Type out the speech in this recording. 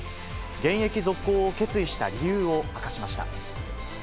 現役続行を決意した理由を明かしました。